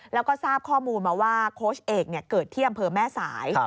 แล้วก็ทราบข้อมูลมาว่าโค้ชเอกเกิดที่อำเภอแม่สาย